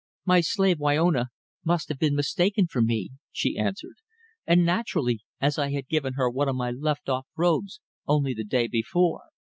"My slave Wyona must have been mistaken for me," she answered. "And naturally, as I had given her one of my left off robes only the day before."